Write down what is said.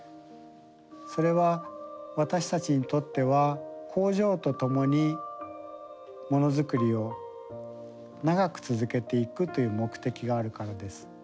それは私たちにとっては工場と共にものづくりを長く続けていくという目的があるからです。